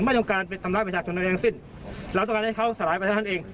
ไม่ต้องการเป็นตำราบประชาชนแรงสิ้นเราต้องการให้เขาสลายไปทั้งนั้นเอง